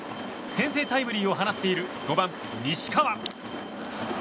先制タイムリーを放っている５番、西川。